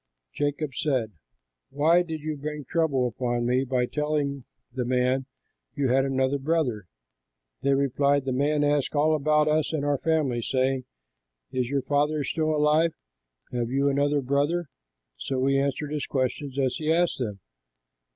'" Jacob said, "Why did you bring trouble upon me by telling the man you had another brother?" They replied, "The man asked all about us and our family, saying, 'Is your father still alive? Have you another brother?' So we answered his questions as he asked them.